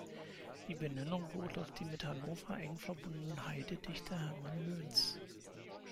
Die Benennung beruht auf dem mit Hannover eng verbundenen Heide-Dichter Hermann Löns.